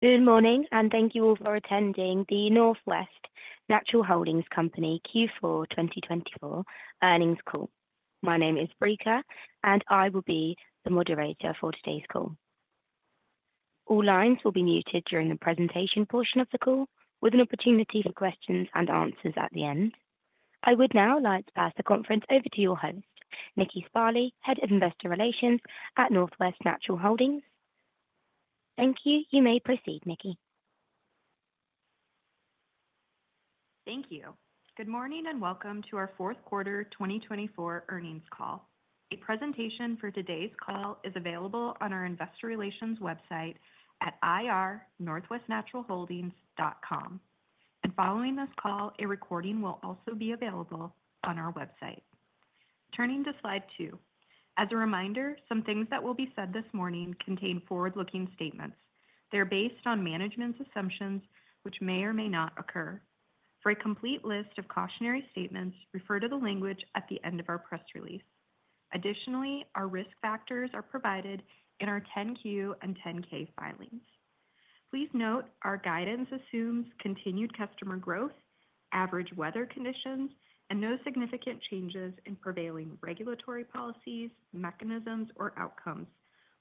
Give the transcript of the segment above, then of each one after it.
Good morning, and thank you all for attending the Northwest Natural Holdings Q4 2024 earnings call. My name is Brica, and I will be the moderator for today's call. All lines will be muted during the presentation portion of the call, with an opportunity for questions and answers at the end. I would now like to pass the conference over to your host, Nikki Sparley, Head of Investor Relations at Northwest Natural Holdings. Thank you. You may proceed, Nikki. Thank you. Good morning and welcome to our fourth quarter 2024 earnings call. A presentation for today's call is available on our investor relations website at ir.northwestnaturalholdings.com. Following this call, a recording will also be available on our website. Turning to slide two. As a reminder, some things that will be said this morning contain forward-looking statements. They're based on management's assumptions, which may or may not occur. For a complete list of cautionary statements, refer to the language at the end of our press release. Additionally, our risk factors are provided in our 10-Q and 10-K filings. Please note our guidance assumes continued customer growth, average weather conditions, and no significant changes in prevailing regulatory policies, mechanisms, or outcomes,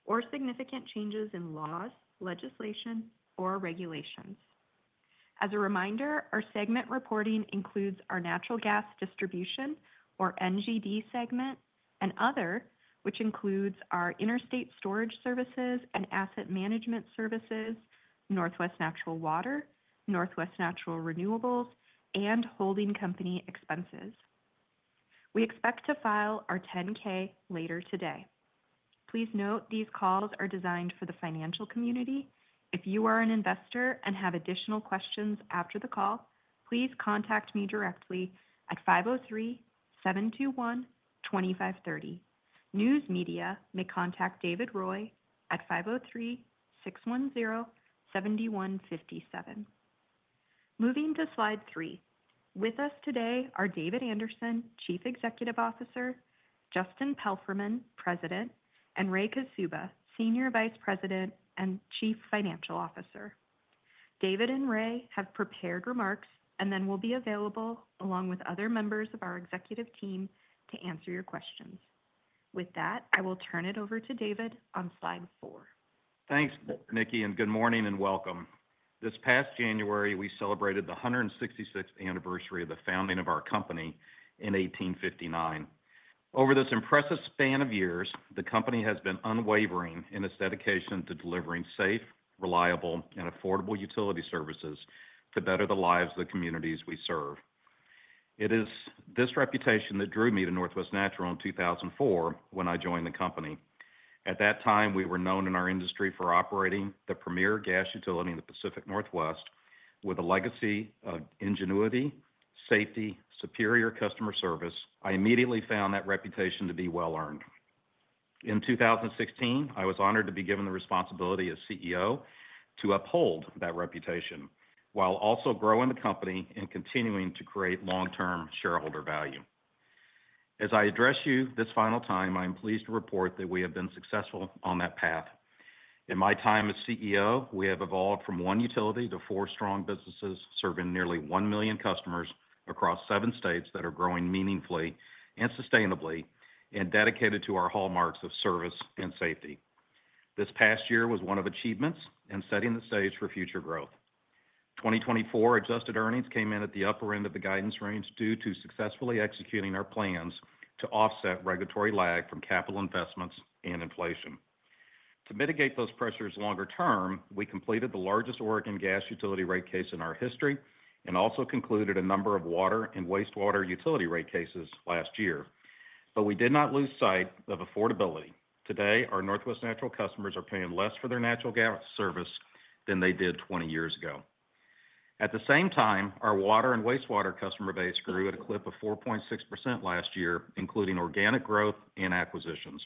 or significant changes in laws, legislation, or regulations. As a reminder, our segment reporting includes our natural gas distribution, or NGD segment, and other, which includes our interstate storage services and asset management services, Northwest Natural Water, Northwest Natural Renewables, and holding company expenses. We expect to file our 10-K later today. Please note these calls are designed for the financial community. If you are an investor and have additional questions after the call, please contact me directly at 503-721-2530. News media may contact David Roy at 503-610-7157. Moving to slide three. With us today are David Anderson, Chief Executive Officer; Justin Palfreyman, President; and Ray Kaszuba, Senior Vice President and Chief Financial Officer. David and Ray have prepared remarks and then will be available along with other members of our executive team to answer your questions. With that, I will turn it over to David on slide four. Thanks, Nikki, and good morning and welcome. This past January, we celebrated the 166th anniversary of the founding of our company in 1859. Over this impressive span of years, the company has been unwavering in its dedication to delivering safe, reliable, and affordable utility services to better the lives of the communities we serve. It is this reputation that drew me to Northwest Natural in 2004 when I joined the company. At that time, we were known in our industry for operating the premier gas utility in the Pacific Northwest with a legacy of ingenuity, safety, and superior customer service. I immediately found that reputation to be well-earned. In 2016, I was honored to be given the responsibility as CEO to uphold that reputation while also growing the company and continuing to create long-term shareholder value. As I address you this final time, I am pleased to report that we have been successful on that path. In my time as CEO, we have evolved from one utility to four strong businesses serving nearly 1 million customers across seven states that are growing meaningfully and sustainably and dedicated to our hallmarks of service and safety. This past year was one of achievements in setting the stage for future growth. 2024 adjusted earnings came in at the upper end of the guidance range due to successfully executing our plans to offset regulatory lag from capital investments and inflation. To mitigate those pressures longer term, we completed the largest Oregon gas utility rate case in our history and also concluded a number of water and wastewater utility rate cases last year. We did not lose sight of affordability. Today, our Northwest Natural customers are paying less for their natural gas service than they did 20 years ago. At the same time, our water and wastewater customer base grew at a clip of 4.6% last year, including organic growth and acquisitions.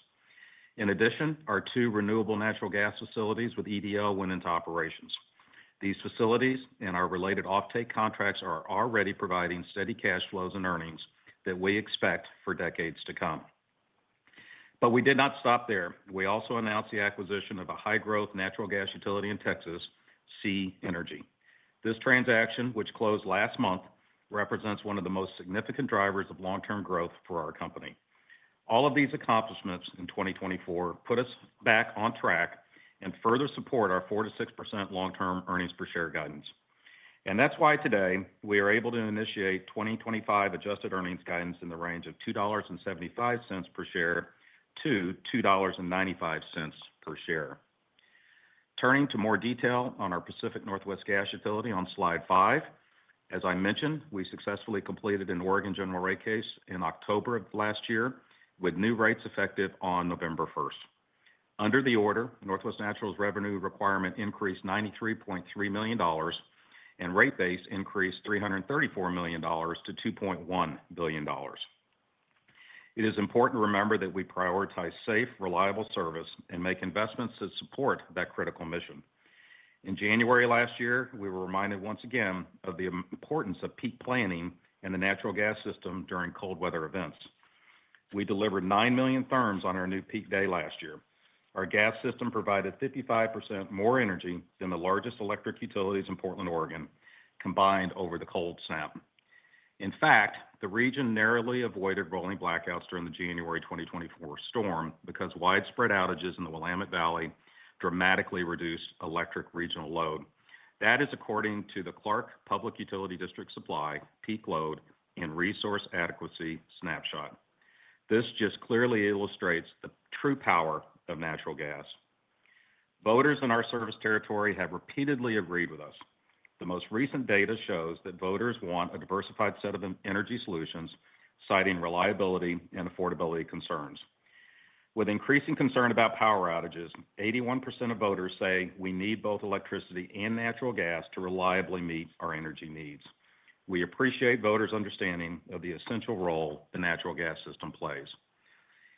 In addition, our two renewable natural gas facilities with EDL went into operations. These facilities and our related offtake contracts are already providing steady cash flows and earnings that we expect for decades to come. We did not stop there. We also announced the acquisition of a high-growth natural gas utility in Texas, SiEnergy. This transaction, which closed last month, represents one of the most significant drivers of long-term growth for our company. All of these accomplishments in 2024 put us back on track and further support our 4-6% long-term earnings per share guidance. That is why today we are able to initiate 2025 adjusted earnings guidance in the range of $2.75 per share-$2.95 per share. Turning to more detail on our Pacific Northwest gas utility on slide five, as I mentioned, we successfully completed an Oregon general rate case in October of last year with new rates effective on November 1. Under the order, Northwest Natural's revenue requirement increased $93.3 million and rate base increased $334 million to $2.1 billion. It is important to remember that we prioritize safe, reliable service and make investments to support that critical mission. In January last year, we were reminded once again of the importance of peak planning in the natural gas system during cold weather events. We delivered 9 million therms on our new peak day last year. Our gas system provided 55% more energy than the largest electric utilities in Portland, Oregon, combined over the cold snap. In fact, the region narrowly avoided rolling blackouts during the January 2024 storm because widespread outages in the Willamette Valley dramatically reduced electric regional load. That is according to the Clark Public Utilities Supply peak load and resource adequacy snapshot. This just clearly illustrates the true power of natural gas. Voters in our service territory have repeatedly agreed with us. The most recent data shows that voters want a diversified set of energy solutions, citing reliability and affordability concerns. With increasing concern about power outages, 81% of voters say we need both electricity and natural gas to reliably meet our energy needs. We appreciate voters' understanding of the essential role the natural gas system plays.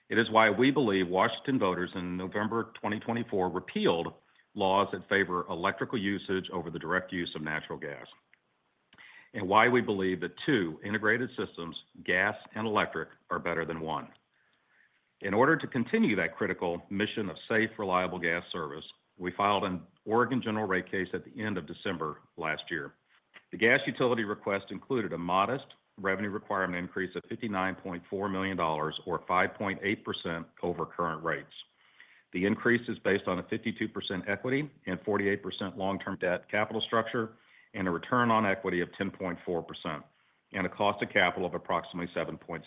It is why we believe Washington voters in November 2024 repealed laws that favor electrical usage over the direct use of natural gas, and why we believe that two integrated systems, gas and electric, are better than one. In order to continue that critical mission of safe, reliable gas service, we filed an Oregon general rate case at the end of December last year. The gas utility request included a modest revenue requirement increase of $59.4 million, or 5.8% over current rates. The increase is based on a 52% equity and 48% long-term debt capital structure and a return on equity of 10.4% and a cost of capital of approximately 7.7%.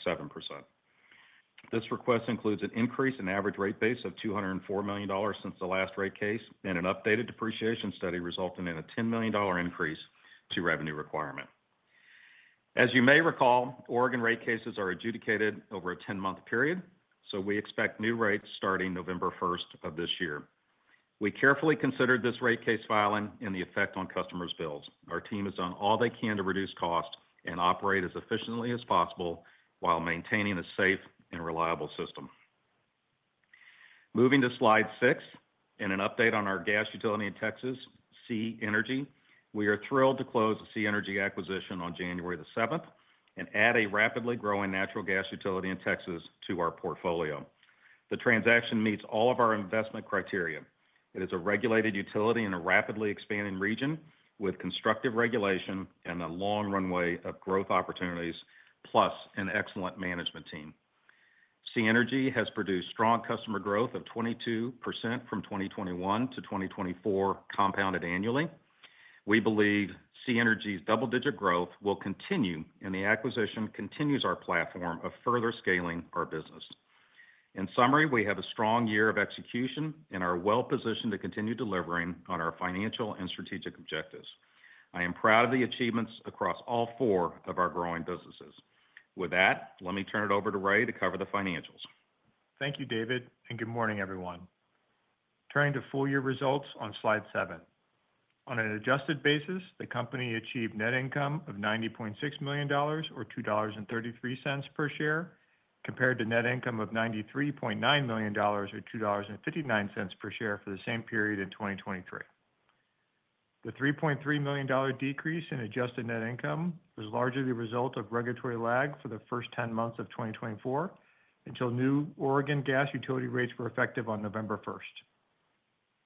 This request includes an increase in average rate base of $204 million since the last rate case and an updated depreciation study resulting in a $10 million increase to revenue requirement. As you may recall, Oregon rate cases are adjudicated over a 10-month period, so we expect new rates starting November 1 of this year. We carefully considered this rate case filing and the effect on customers' bills. Our team has done all they can to reduce costs and operate as efficiently as possible while maintaining a safe and reliable system. Moving to slide six and an update on our gas utility in Texas, SiEnergy, we are thrilled to close the SiEnergy acquisition on January 7 and add a rapidly growing natural gas utility in Texas to our portfolio. The transaction meets all of our investment criteria. It is a regulated utility in a rapidly expanding region with constructive regulation and a long runway of growth opportunities, plus an excellent management team. SiEnergy has produced strong customer growth of 22% from 2021 to 2024 compounded annually. We believe SiEnergy's double-digit growth will continue and the acquisition continues our platform of further scaling our business. In summary, we have a strong year of execution and are well-positioned to continue delivering on our financial and strategic objectives. I am proud of the achievements across all four of our growing businesses. With that, let me turn it over to Ray to cover the financials. Thank you, David, and good morning, everyone. Turning to full year results on slide seven. On an adjusted basis, the company achieved net income of $90.6 million, or $2.33 per share, compared to net income of $93.9 million, or $2.59 per share for the same period in 2023. The $3.3 million decrease in adjusted net income was largely the result of regulatory lag for the first 10 months of 2024 until new Oregon gas utility rates were effective on November 1st.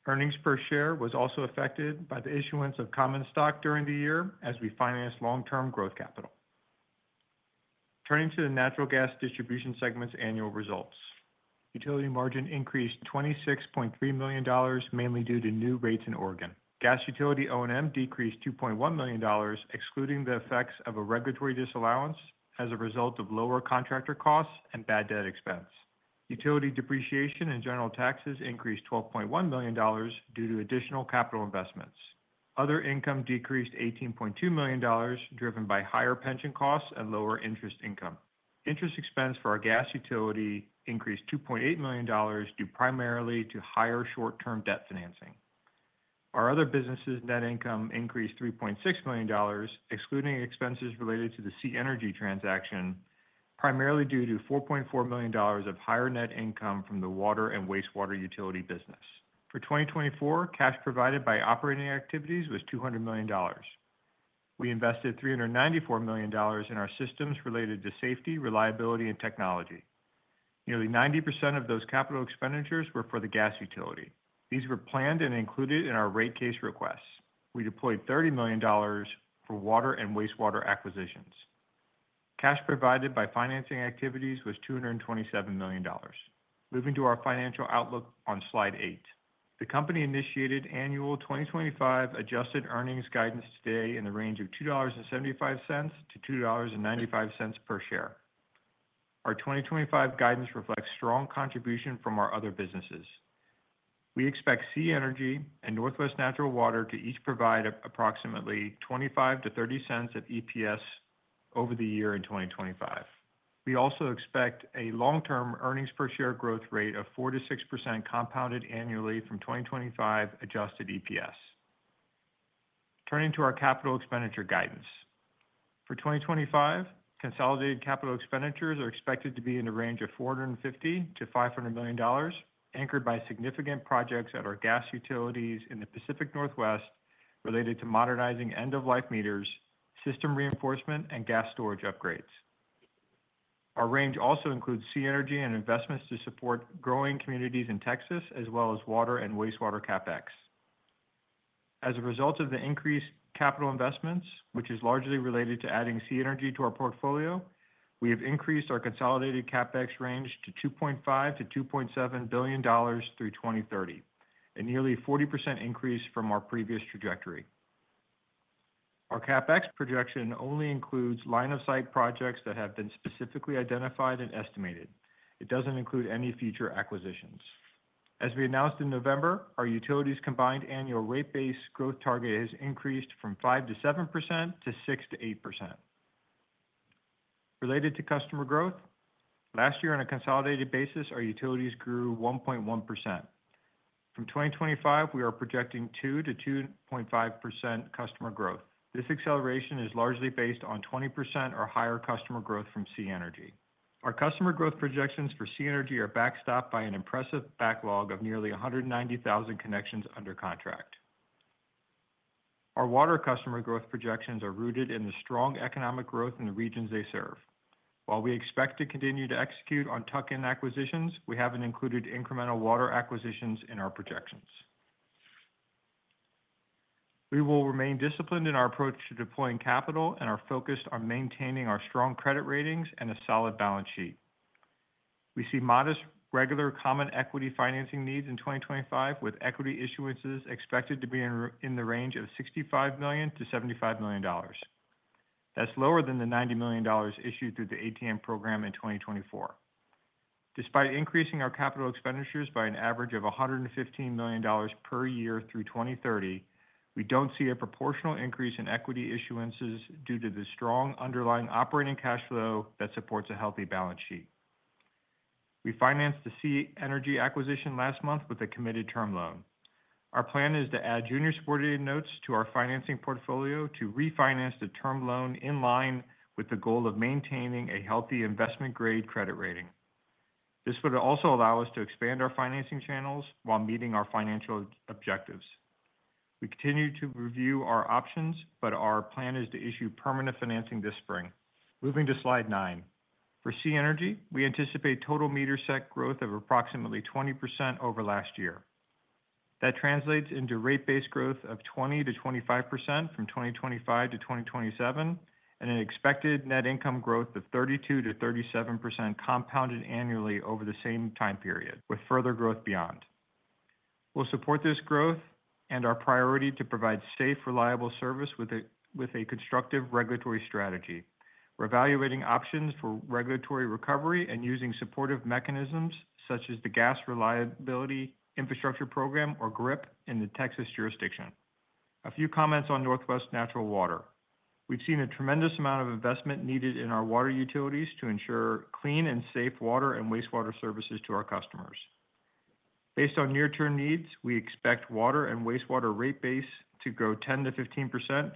Earnings per share was also affected by the issuance of common stock during the year as we financed long-term growth capital. Turning to the natural gas distribution segment's annual results, utility margin increased $26.3 million, mainly due to new rates in Oregon. Gas utility O&M decreased $2.1 million, excluding the effects of a regulatory disallowance as a result of lower contractor costs and bad debt expense. Utility depreciation and general taxes increased $12.1 million due to additional capital investments. Other income decreased $18.2 million, driven by higher pension costs and lower interest income. Interest expense for our gas utility increased $2.8 million due primarily to higher short-term debt financing. Our other businesses' net income increased $3.6 million, excluding expenses related to the SiEnergy transaction, primarily due to $4.4 million of higher net income from the water and wastewater utility business. For 2024, cash provided by operating activities was $200 million. We invested $394 million in our systems related to safety, reliability, and technology. Nearly 90% of those capital expenditures were for the gas utility. These were planned and included in our rate case requests. We deployed $30 million for water and wastewater acquisitions. Cash provided by financing activities was $227 million. Moving to our financial outlook on slide eight, the company initiated annual 2025 adjusted earnings guidance today in the range of $2.75-$2.95 per share. Our 2025 guidance reflects strong contribution from our other businesses. We expect SiEnergy and Northwest Natural Water to each provide approximately $0.25-$0.30 of EPS over the year in 2025. We also expect a long-term earnings per share growth rate of 4%-6% compounded annually from 2025 adjusted EPS. Turning to our capital expenditure guidance. For 2025, consolidated capital expenditures are expected to be in the range of $450-$500 million, anchored by significant projects at our gas utilities in the Pacific Northwest related to modernizing end-of-life meters, system reinforcement, and gas storage upgrades. Our range also includes SiEnergy and investments to support growing communities in Texas, as well as water and wastewater CapEx. As a result of the increased capital investments, which is largely related to adding SiEnergy to our portfolio, we have increased our consolidated CapEx range to $2.5 billion-$2.7 billion through 2030, a nearly 40% increase from our previous trajectory. Our CapEx projection only includes line-of-sight projects that have been specifically identified and estimated. It does not include any future acquisitions. As we announced in November, our utilities' combined annual rate-based growth target has increased from 5%-7% to 6%-8%. Related to customer growth, last year on a consolidated basis, our utilities grew 1.1%. From 2025, we are projecting 2%-2.5% customer growth. This acceleration is largely based on 20% or higher customer growth from SiEnergy. Our customer growth projections for SiEnergy are backstopped by an impressive backlog of nearly 190,000 connections under contract. Our water customer growth projections are rooted in the strong economic growth in the regions they serve. While we expect to continue to execute on tuck-in acquisitions, we haven't included incremental water acquisitions in our projections. We will remain disciplined in our approach to deploying capital and are focused on maintaining our strong credit ratings and a solid balance sheet. We see modest regular common equity financing needs in 2025, with equity issuances expected to be in the range of $65 million-$75 million. That's lower than the $90 million issued through the ATM program in 2024. Despite increasing our capital expenditures by an average of $115 million per year through 2030, we don't see a proportional increase in equity issuances due to the strong underlying operating cash flow that supports a healthy balance sheet. We financed the SiEnergy acquisition last month with a committed term loan. Our plan is to add junior supported notes to our financing portfolio to refinance the term loan in line with the goal of maintaining a healthy investment-grade credit rating. This would also allow us to expand our financing channels while meeting our financial objectives. We continue to review our options, but our plan is to issue permanent financing this spring. Moving to slide nine. For SiEnergy, we anticipate total meter set growth of approximately 20% over last year. That translates into rate-based growth of 20-25% from 2025 to 2027 and an expected net income growth of 32-37% compounded annually over the same time period, with further growth beyond. We'll support this growth and our priority to provide safe, reliable service with a constructive regulatory strategy. We're evaluating options for regulatory recovery and using supportive mechanisms such as the Gas Reliability Infrastructure Program, or GRIP, in the Texas jurisdiction. A few comments on Northwest Natural Water. We've seen a tremendous amount of investment needed in our water utilities to ensure clean and safe water and wastewater services to our customers. Based on near-term needs, we expect water and wastewater rate base to grow 10-15%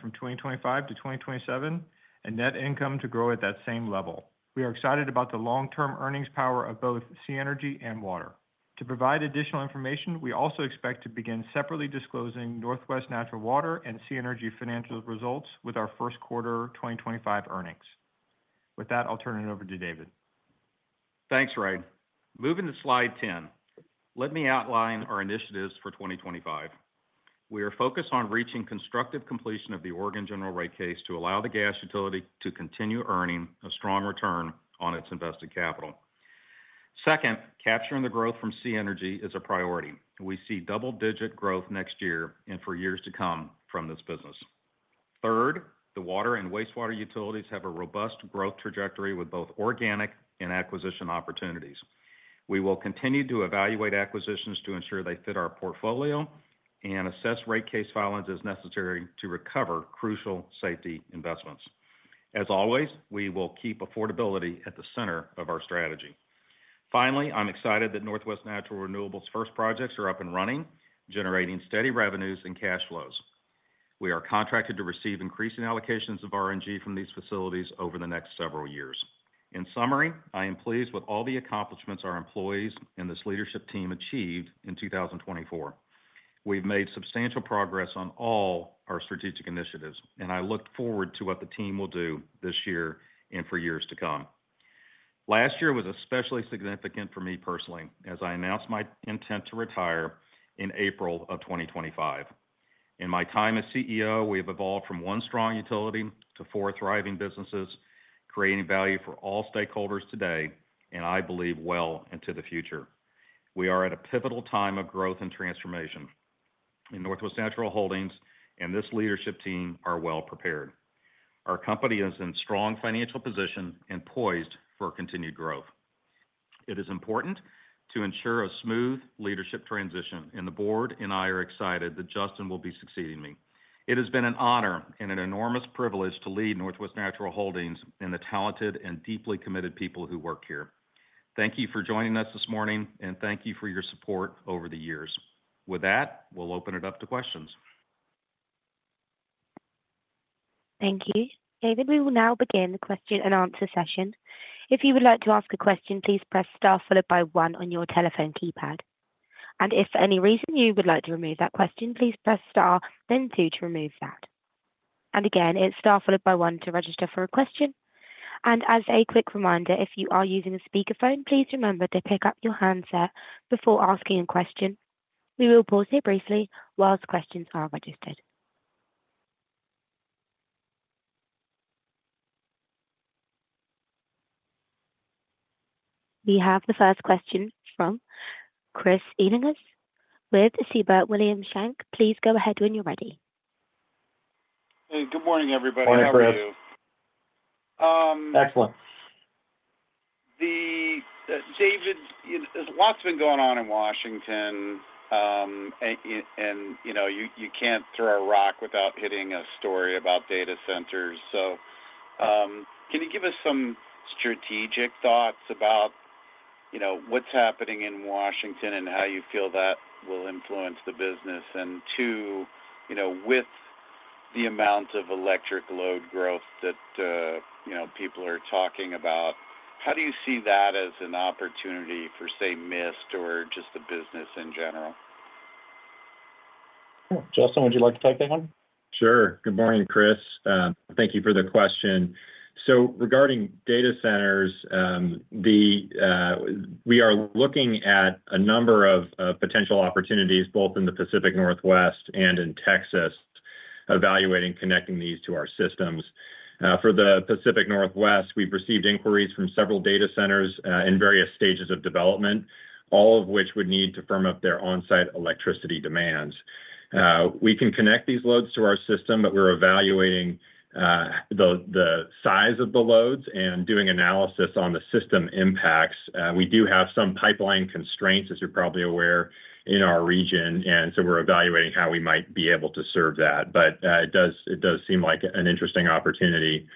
from 2025 to 2027 and net income to grow at that same level. We are excited about the long-term earnings power of both SiEnergy and water. To provide additional information, we also expect to begin separately disclosing Northwest Natural Water and SiEnergy financial results with our first quarter 2025 earnings. With that, I'll turn it over to David. Thanks, Ray. Moving to slide 10, let me outline our initiatives for 2025. We are focused on reaching constructive completion of the Oregon general rate case to allow the gas utility to continue earning a strong return on its invested capital. Second, capturing the growth from SiEnergy is a priority. We see double-digit growth next year and for years to come from this business. Third, the water and wastewater utilities have a robust growth trajectory with both organic and acquisition opportunities. We will continue to evaluate acquisitions to ensure they fit our portfolio and assess rate case filings as necessary to recover crucial safety investments. As always, we will keep affordability at the center of our strategy. Finally, I'm excited that Northwest Natural Renewables' first projects are up and running, generating steady revenues and cash flows. We are contracted to receive increasing allocations of RNG from these facilities over the next several years. In summary, I am pleased with all the accomplishments our employees and this leadership team achieved in 2024. We have made substantial progress on all our strategic initiatives, and I look forward to what the team will do this year and for years to come. Last year was especially significant for me personally as I announced my intent to retire in April of 2025. In my time as CEO, we have evolved from one strong utility to four thriving businesses, creating value for all stakeholders today, and I believe well into the future. We are at a pivotal time of growth and transformation, and Northwest Natural Holdings and this leadership team are well prepared. Our company is in strong financial position and poised for continued growth. It is important to ensure a smooth leadership transition, and the board and I are excited that Justin will be succeeding me. It has been an honor and an enormous privilege to lead Northwest Natural Holdings and the talented and deeply committed people who work here. Thank you for joining us this morning, and thank you for your support over the years. With that, we'll open it up to questions. Thank you. David, we will now begin the question and answer session. If you would like to ask a question, please press star followed by one on your telephone keypad. If for any reason you would like to remove that question, please press star, then two to remove that. It's star followed by one to register for a question. As a quick reminder, if you are using a speakerphone, please remember to pick up your handset before asking a question. We will pause here briefly while the questions are registered. We have the first question from Chris Ellinghaus with Siebert Williams Shank. Please go ahead when you're ready. Hey, good morning, everybody. Morning, Fred. Excellent. David, there's lots been going on in Washington, and you can't throw a rock without hitting a story about data centers. Can you give us some strategic thoughts about what's happening in Washington and how you feel that will influence the business? Two, with the amount of electric load growth that people are talking about, how do you see that as an opportunity for, say, Mist or just the business in general? Justin, would you like to take that one? Sure. Good morning, Chris. Thank you for the question. Regarding data centers, we are looking at a number of potential opportunities both in the Pacific Northwest and in Texas, evaluating connecting these to our systems. For the Pacific Northwest, we've received inquiries from several data centers in various stages of development, all of which would need to firm up their on-site electricity demands. We can connect these loads to our system, but we're evaluating the size of the loads and doing analysis on the system impacts. We do have some pipeline constraints, as you're probably aware, in our region, and we are evaluating how we might be able to serve that. It does seem like an interesting opportunity.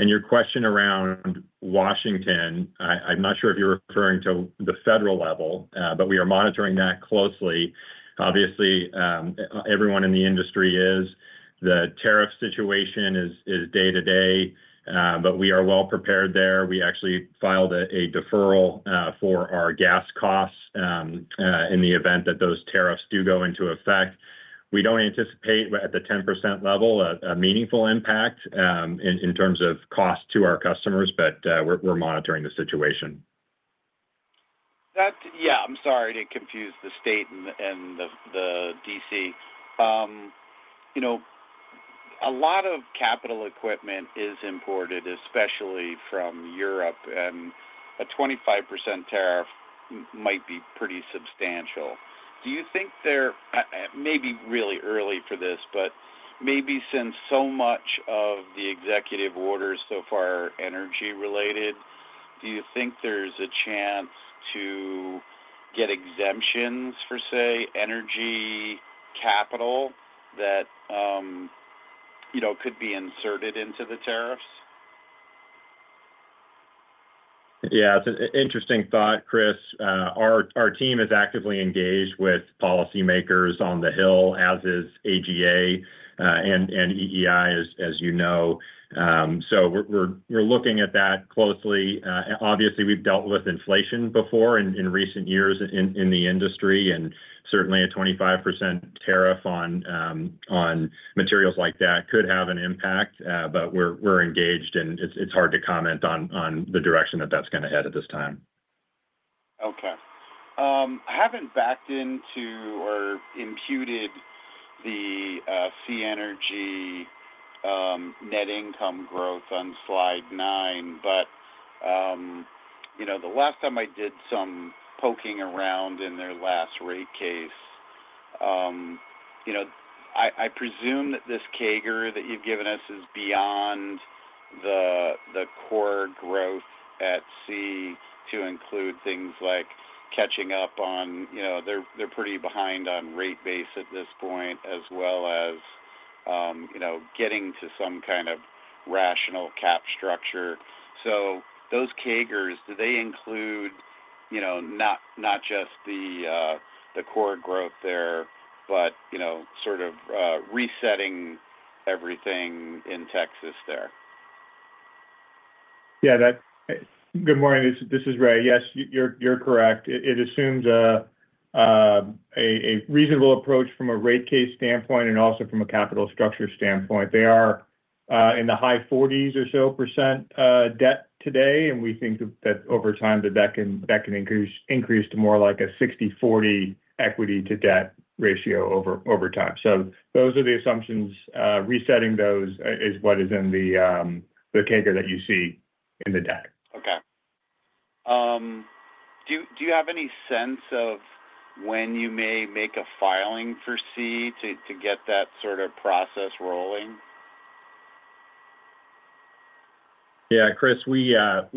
Your question around Washington, I'm not sure if you're referring to the federal level, but we are monitoring that closely. Obviously, everyone in the industry is. The tariff situation is day-to-day, but we are well prepared there. We actually filed a deferral for our gas costs in the event that those tariffs do go into effect. We do not anticipate at the 10% level a meaningful impact in terms of cost to our customers, but we are monitoring the situation. Yeah, I'm sorry to confuse the state and the D.C. A lot of capital equipment is imported, especially from Europe, and a 25% tariff might be pretty substantial. Do you think there may be really early for this, but maybe since so much of the executive orders so far are energy-related, do you think there's a chance to get exemptions for, say, energy capital that could be inserted into the tariffs? Yeah, it's an interesting thought, Chris. Our team is actively engaged with policymakers on the Hill, as is AGA and EEI, as you know. We're looking at that closely. Obviously, we've dealt with inflation before in recent years in the industry, and certainly a 25% tariff on materials like that could have an impact, but we're engaged, and it's hard to comment on the direction that that's going to head at this time. Okay. I haven't backed into or imputed the SiEnergy net income growth on slide nine, but the last time I did some poking around in their last rate case, I presume that this CAGR that you've given us is beyond the core growth at Si to include things like catching up on they're pretty behind on rate base at this point, as well as getting to some kind of rational cap structure. So those CAGRs, do they include not just the core growth there, but sort of resetting everything in Texas there? Yeah. Good morning. This is Ray. Yes, you're correct. It assumes a reasonable approach from a rate case standpoint and also from a capital structure standpoint. They are in the high 40% or so debt today, and we think that over time the debt can increase to more like a 60/40 equity-to-debt ratio over time. Those are the assumptions. Resetting those is what is in the CAGR that you see in the deck. Okay. Do you have any sense of when you may make a filing for SiEnergy to get that sort of process rolling? Yeah, Chris, we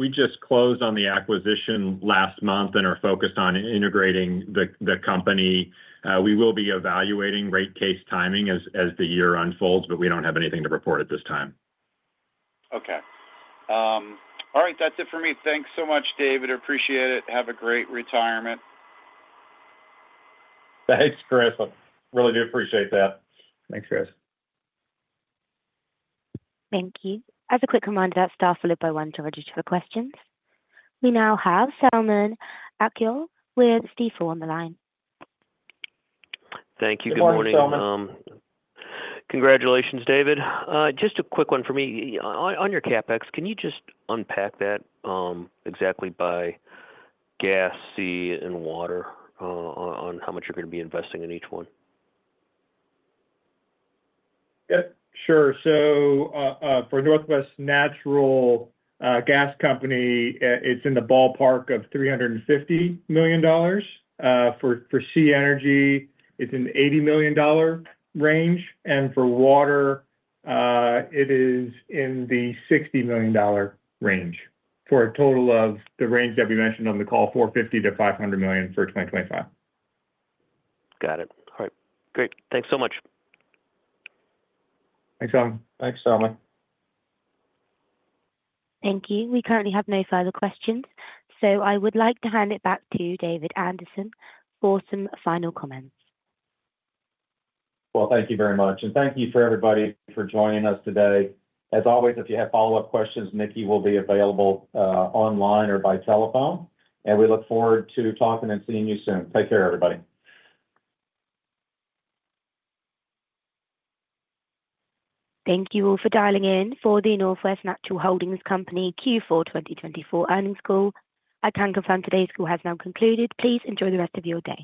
just closed on the acquisition last month and are focused on integrating the company. We will be evaluating rate case timing as the year unfolds, but we do not have anything to report at this time. Okay. All right. That's it for me. Thanks so much, David. Appreciate it. Have a great retirement. Thanks, Chris. Really do appreciate that. Thanks, Chris. Thank you. As a quick reminder, that's star followed by one to register for questions. We now have Selman Akyol with Stifel on the line. Thank you. Good morning. Morning, Selman. Congratulations, David. Just a quick one for me. On your CapEx, can you just unpack that exactly by gas, SiEnergy, and water on how much you're going to be investing in each one? Yeah, sure. For Northwest Natural Gas Company, it's in the ballpark of $350 million. For SiEnergy, it's in the $80 million range. For water, it is in the $60 million range for a total of the range that we mentioned on the call, $450-$500 million for 2025. Got it. All right. Great. Thanks so much. Thanks, Selman. Thanks, Selman. Thank you. We currently have no further questions. I would like to hand it back to David Anderson for some final comments. Thank you very much. Thank you for everybody for joining us today. As always, if you have follow-up questions, Nikki will be available online or by telephone. We look forward to talking and seeing you soon. Take care, everybody. Thank you all for dialing in for the Northwest Natural Holdings Q4 2024 earnings call. I can confirm today's call has now concluded. Please enjoy the rest of your day.